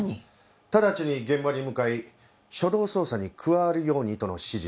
直ちに現場に向かい初動捜査に加わるようにとの指示です。